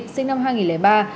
sinh năm hai nghìn ba